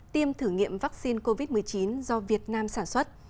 tiêm thử nghiệm vaccine covid một mươi chín do việt nam sản xuất